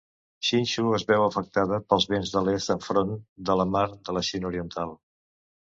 Hsinchu es veu afectada pels vents de l'est enfront de la mar de la Xina Oriental.